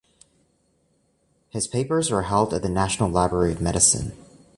His papers are held at the National Library of Medicine.